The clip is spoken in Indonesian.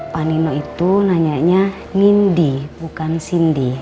pak nino itu nanya nya nindi bukan sindy